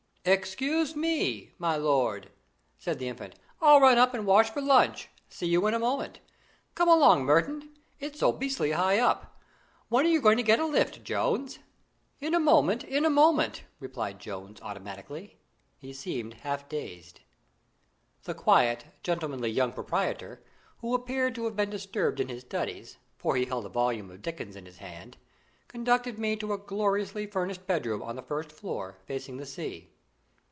"Excuse me, my lord," said the Infant; "I'll run up and wash for lunch. See you in a moment. Come along, Merton. It's so beastly high up. When are you going to get a lift, Jones?" "In a moment, sir; in a moment!" replied Jones automatically. He seemed half dazed. The quiet, gentlemanly young proprietor, who appeared to have been disturbed in his studies, for he held a volume of Dickens in his hand, conducted me to a gorgeously furnished bedroom on the first floor facing the sea.